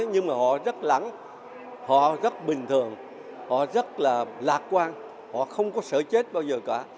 nhưng mà họ rất lắng họ rất bình thường họ rất là lạc quan họ không có sợi chết bao giờ cả